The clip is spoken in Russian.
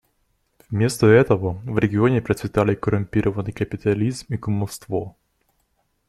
Вместо этого в регионе процветали коррумпированный капитализм и кумовство.